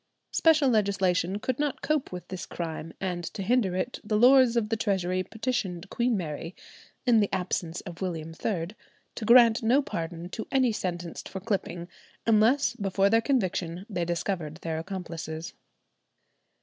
Special legislation could not cope with this crime, and to hinder it the Lords of the Treasury petitioned Queen Mary (in the absence of William III) to grant no pardon to any sentenced for clipping unless before their conviction they discovered their accomplices.